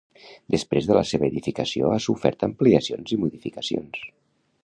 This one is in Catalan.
Després de la seva edificació ha sofert ampliacions i modificacions.